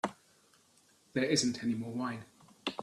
There isn't any more wine.